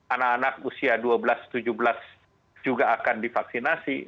anak anak usia dua belas tujuh belas juga akan divaksinasi